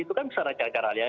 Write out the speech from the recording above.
itu kan secara cara ya